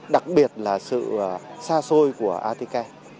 đặc biệt là sự xa xôi của atk